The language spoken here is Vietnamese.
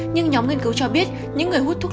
nhưng nhóm nghiên cứu cho biết những người hút thuốc